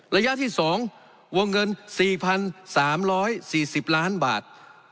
ระยะที่๒วงเงิน๔๓๔๐ล้านบาท